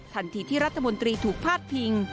ทันทีที่รัฐมนตรีถูกพาดพิง